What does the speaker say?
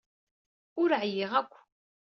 Ur ɛyiɣ akk.